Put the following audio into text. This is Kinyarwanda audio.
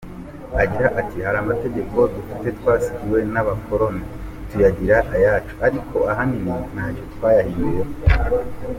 Agira ati “Hari amategeko dufite twasigiwe n’abakoroni, tuyagira ayacu ariko ahanini ntacyo twayahinduyeho.